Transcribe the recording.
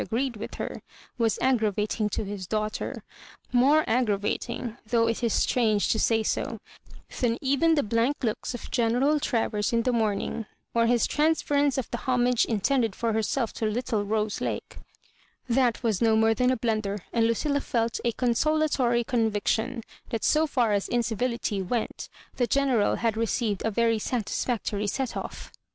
agreed with her, was aggravating to his daughter — more aggravating, though it is strange to say so, than even the blank looks of General Travers in the morning, or his transference of the homage intended for herself to little Rose Lake; that was no more than a blunder, and Lucilla felt n conso latory conviction, that so far as incivility went, the General had received a very satisfactory set off.